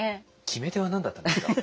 決め手は何だったんですか？